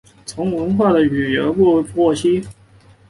从文化和旅游部获悉